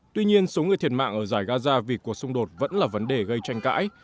tuy nhiên số người thiệt mạng ở giải gaza vì cuộc xung đột vẫn là vấn đề gây tranh cãi